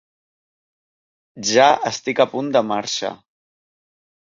Ja estic a punt de marxa.